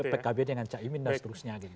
pkb dengan caimin dan seterusnya gitu